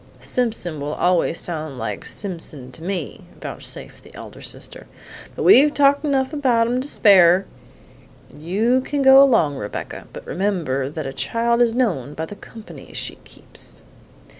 "Simpson will always sound like Simpson to me!" vouchsafed the elder sister, "but we've talked enough about em an' to spare. You can go along, Rebecca; but remember that a child is known by the company she keeps."